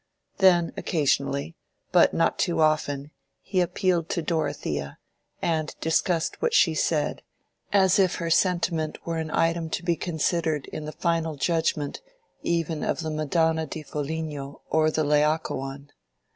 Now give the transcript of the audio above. Then occasionally, but not too often, he appealed to Dorothea, and discussed what she said, as if her sentiment were an item to be considered in the final judgment even of the Madonna di Foligno or the Laocoon.